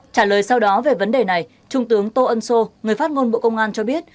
trả lời sau đó về vấn đề này trung tướng tô ân sô người phát ngôn bộ công an cho biết